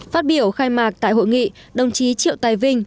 phát biểu khai mạc tại hội nghị đồng chí triệu tài vinh